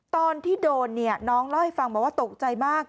ตอนที่โดนเนี่ยน้องเล่าให้ฟังบอกว่าตกใจมาก